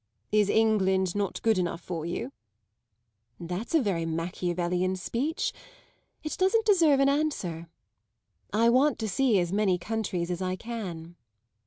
"Is England not good enough for you?" "That's a very Machiavellian speech; it doesn't deserve an answer. I want to see as many countries as I can."